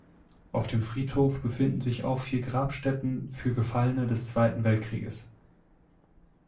Auf dem Friedhof befinden sich auch vier Grabstätten für Gefallene des Zweiten Weltkrieges.